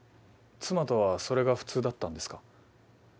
妻とはそれが普通だったんですか？